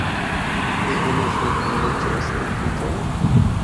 اے اُناں سنڑ فوج اسطے کیتا۔